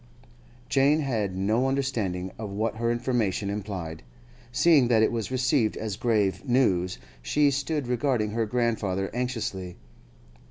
Jane had no understanding of what her information implied; seeing that it was received as grave news, she stood regarding her grandfather anxiously.